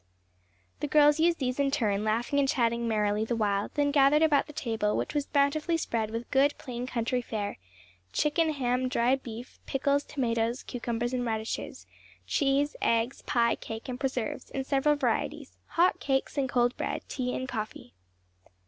The girls used these in turn, laughing and chatting merrily the while, then gathered about the table, which was bountifully spread with good plain country fare chicken, ham, dried beef, pickles, tomatoes, cucumbers and radishes, cheese, eggs, pie, cake and preserves, in several varieties, hot cakes and cold bread, tea and coffee.